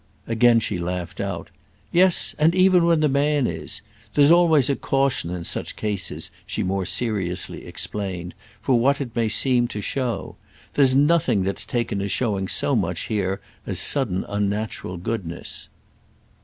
Again she laughed out. "Yes, and even when the man is! There's always a caution in such cases," she more seriously explained—"for what it may seem to show. There's nothing that's taken as showing so much here as sudden unnatural goodness."